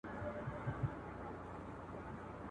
څوک د ژباړونکو دنده ترسره کوي؟